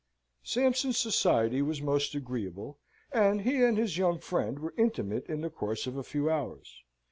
Sampson's society was most agreeable, and he and his young friend were intimate in the course of a few hours.